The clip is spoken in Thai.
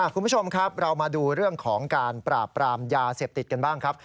คุณผู้ชมครับเรามาดูเรื่องของการปราบปรามยาเสพติดกันบ้างครับ